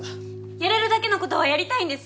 やるだけの事はやりたいんです！